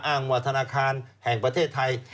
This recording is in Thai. อ้างว่าธนาคารแห่งประเทศไทย